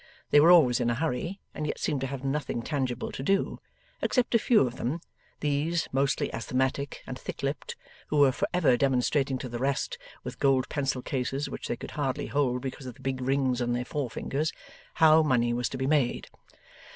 They were always in a hurry, and yet seemed to have nothing tangible to do; except a few of them (these, mostly asthmatic and thick lipped) who were for ever demonstrating to the rest, with gold pencil cases which they could hardly hold because of the big rings on their forefingers, how money was to be made.